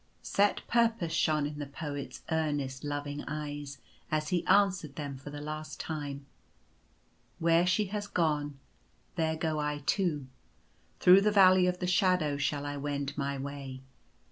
Set purpose shone in the Poet's earnest, loving eyes as he answered them for the last time: " Where she has gone, there go I too. Through the Valley of the Shadow shall I wend my way.